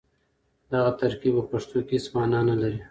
دغه ترکيب په پښتو کې هېڅ مانا نه لري.